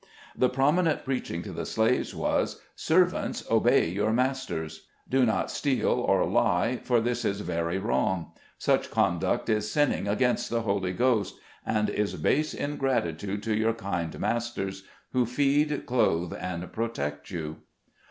The promi nent preaching to the slaves was, "' Servants, obey your masters' Do not steal or lie, for this is very wrong. Such conduct is sinning against the Holy RELIGIOUS INSTRUCTION. 197 Ghost, and is base ingratitude to your kind masters, who feed, clothe and protect you."